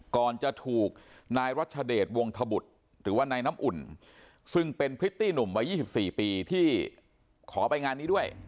ก่อนจะถูกนายรัชเดชวงธบุตรหรือว่านายน้ำอุ่นซึ่งเป็นพริตตี้หนุ่มวัย๒๔ปีที่ขอไปงานนี้ด้วย